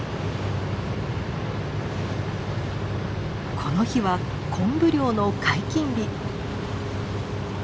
この日はコンブ漁の解禁日。